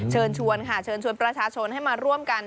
เชิญชวนค่ะเชิญชวนประชาชนให้มาร่วมกัน